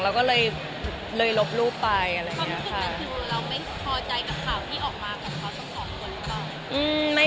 เราก็เลยลบรูปไปอะไรอย่างนี้ค่ะ